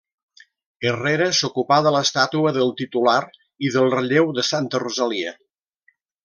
Herrera s'ocupà de l'estàtua del titular i del relleu de Santa Rosalia.